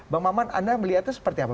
bang maman anda melihatnya seperti apa